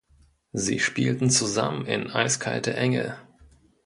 Sie spielten zusammen in "Eiskalte Engel".